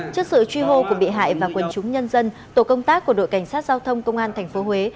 trước sự truy hô của bị hại và quần chúng nhân dân tổ công tác của đội cảnh sát giao thông công an tp huế